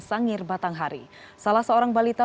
sangir batanghari salah seorang balita